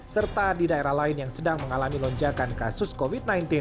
serta di daerah lain yang sedang mengalami lonjakan kasus covid sembilan belas